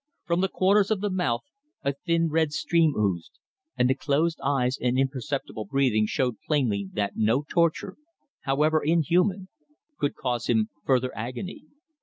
From the corners of the mouth a thin red stream oozed, and the closed eyes and imperceptible breathing showed plainly that no torture, however inhuman, could cause him further agony.